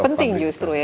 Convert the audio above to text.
itu penting justru ya